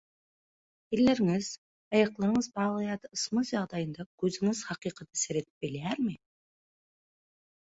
Elleriňiz, aýaklaryňyz bagly ýa-da ysmaz ýagdaýynda gözüňiz hakykata seredip bilýärmi?